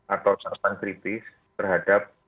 atau kesalahan kritis terhadap